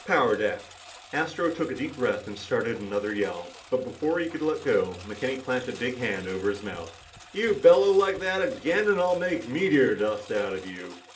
Power deck." Astro took a deep breath and started another yell, but before he could let go, McKenny clamped a big hand over his mouth. "You bellow like that again and I'll make meteor dust out of you!"